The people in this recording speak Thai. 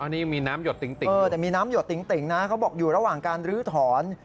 อันนี้มีน้ำหยดติ่งมีน้ำหยดติ่งอยู่ระหว่างการธรรม